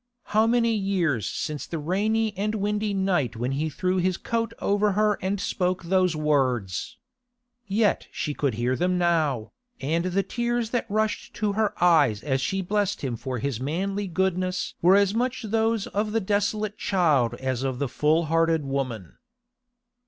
How many years since the rainy and windy night when he threw his coat over her and spoke those words? Yet she could hear them now, and the tears that rushed to her eyes as she blessed him for his manly goodness were as much those of the desolate child as of the full hearted woman.